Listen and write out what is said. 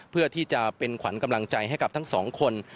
เพื่อที่จะเป็นขวัญกำลังใจให้กับทั้งสองคน